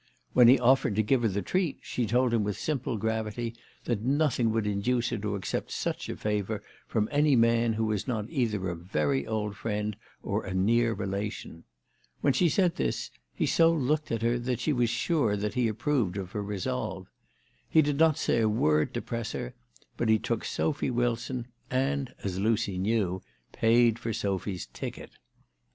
When he offered to give her the treat, she told him with simple gravity that nothing would induce her to accept such a favour from any man who was not either a very old friend or a near relation. When she said this he so looked at her that she was sure that he approved of her resolve. He did not say a word to press her ; but he took Sophy Wilson, and, as Lucy knew, paid for Sophy's ticket.